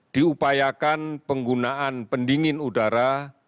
diupayakan penggunaan pendingin udara